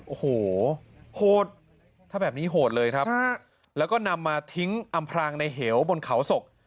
โอ้โหโหดถ้าแบบนี้โหดเลยครับแล้วก็นำมาทิ้งอำพรางในเหวบนเขาศก